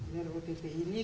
dari ott ini